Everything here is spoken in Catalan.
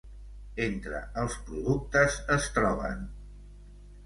Entre els productes es troben: